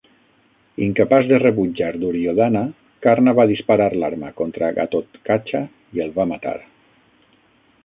Incapaç de rebutjar Duryodhana, Karna va disparar l'arma contra Ghatotkacha i el va matar.